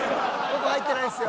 ここ入ってないですよ。